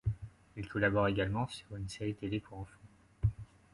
Il collabore également sur une série télé pour enfants.